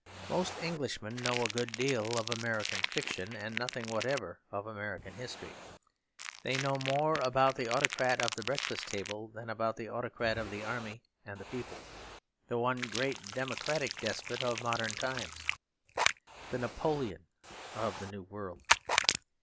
Most Englishmen know a good deal of American fiction, and nothing whatever of American history. They know more about the autocrat of the breakfast table than about the autocrat of the army and the people, the one great democratic despot of modern times; the Napoleon of the New World.